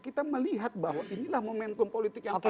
kita melihat bahwa inilah momentum politik yang paling penting